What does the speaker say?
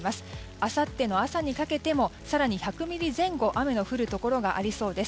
あさっての朝にかけても更に１００ミリ前後雨の降るところがありそうです。